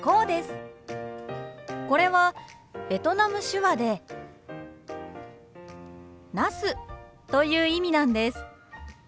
これはベトナム手話でナスという意味なんです。